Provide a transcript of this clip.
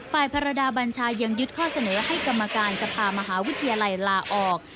ฝ่ายภรรยาบัญชายังยึดข้อเสนอให้กรรมการสภามหาวิทยาลัยลาออก